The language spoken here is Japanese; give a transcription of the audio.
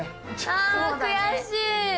あ悔しい。